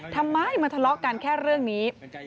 ทำไมมาทะเลาะกันแค่เรื่องนี้